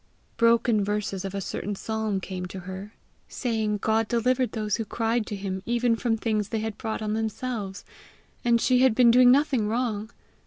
Broken verses of a certain psalm came to her, saying God delivered those who cried to him even from things they had brought on themselves, and she had been doing nothing wrong!